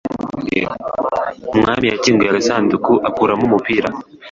Umwarimu yakinguye agasanduku akuramo umupira.